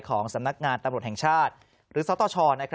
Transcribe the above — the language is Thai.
สำนักงานตำรวจแห่งชาติหรือสตช